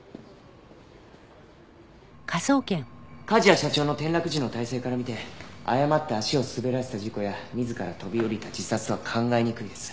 梶谷社長の転落時の体勢から見て誤って足を滑らせた事故や自ら飛び降りた自殺とは考えにくいです。